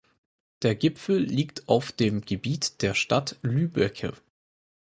Der Gipfel liegt auf dem Gebiet der Stadt Lübbecke.